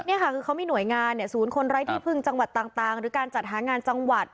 นี่ค่ะคือเขามีหน่วยงานศูนย์คนไร้ที่พึ่งจังหวัดต่างหรือการจัดหางานจังหวัด